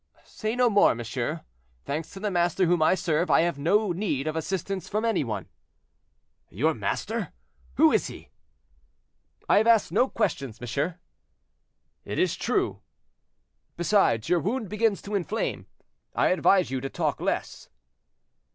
"Say no more, monsieur; thanks to the master whom I serve, I have no need of assistance from any one." "Your master, who is he?" "I have asked no questions, monsieur." "It is true." "Besides, your wound begins to inflame; I advise you to talk less."